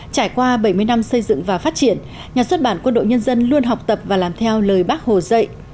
trải qua bảy mươi năm xây dựng và phát triển nhà xuất bản quân đội nhân dân luôn học tập và làm theo lời bác hồ dạy